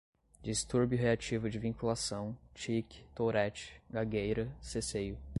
distúrbio reativo de vinculação, tique, tourette, gagueira, ceceio